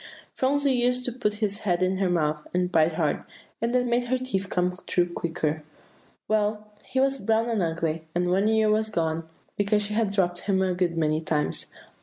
Phronsie used to put his head in her mouth, and bite hard, and that made her teeth come through quicker. Well, he was brown and ugly, and one ear was gone, because she had dropped him a good many times.